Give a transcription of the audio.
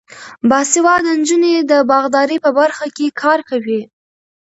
باسواده نجونې د باغدارۍ په برخه کې کار کوي.